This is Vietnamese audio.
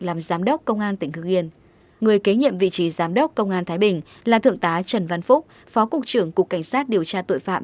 làm giám đốc công an tỉnh hưng yên người kế nhiệm vị trí giám đốc công an thái bình là thượng tá trần văn phúc phó cục trưởng cục cảnh sát điều tra tội phạm